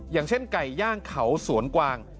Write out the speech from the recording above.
อย่างเช่นไก่ย่างเขาสวนกวาง